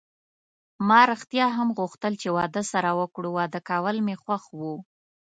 ما ریښتیا هم غوښتل چې واده سره وکړو، واده کول مې خوښ و.